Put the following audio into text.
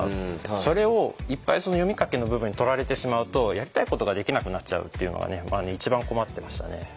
それをいっぱい読み書きの部分に取られてしまうとやりたいことができなくなっちゃうっていうのはね一番困ってましたね。